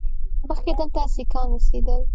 مخکې دلته سیکان اوسېدل